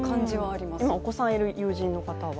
今お子さんいる友人の方は？